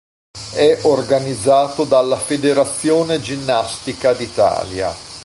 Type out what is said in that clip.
È organizzato dalla Federazione Ginnastica d'Italia.